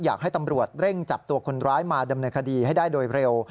อยากให้ตำรวจเร่งจับตัวคนร้ายมาดำเนินคดีให้ได้โดยเร็ว